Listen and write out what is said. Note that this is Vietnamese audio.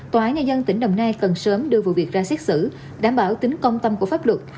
tòa án nhân dân tỉnh đồng nai cần sớm đưa vụ việc ra xét xử đảm bảo tính công tâm của pháp luật